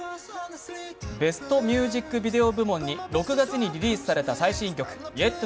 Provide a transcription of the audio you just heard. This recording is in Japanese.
ベスト・ミュージックビデオ部門に６月にリリースされた最新曲、「ＹｅｔＴｏＣｏｍｅ」。